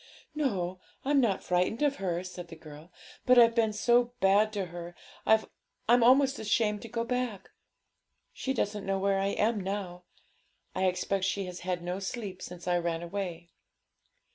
'No, I'm not frightened of her,' said the girl; 'but I've been so bad to her, I'm almost ashamed to go back. She doesn't know where I am now. I expect she has had no sleep since I ran away.'